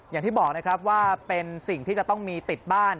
อย่างที่บอกนะครับว่าเป็นสิ่งที่จะต้องมีติดบ้าน